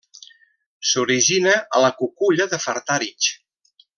S'origina a la Cuculla de Fartàritx.